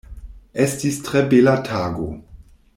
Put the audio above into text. Estis tre bela tago.